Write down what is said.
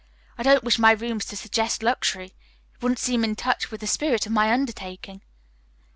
I don't wish my rooms to suggest luxury. It wouldn't seem in touch with the spirit of my undertaking."